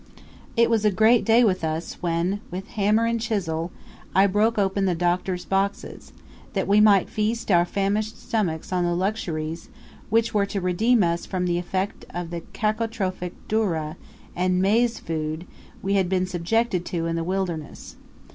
It was a great day with, us when, with hammer and chisel, I broke open the Doctor's boxes, that we might feast our famished stomachs on the luxuries which were to redeem us from the effect of the cacotrophic dourra and maize food we had been subjected to in the wilderness.